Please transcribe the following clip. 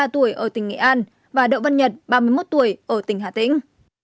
ba mươi tuổi ở tỉnh nghệ an và đậu văn nhật ba mươi một tuổi ở tỉnh hà tĩnh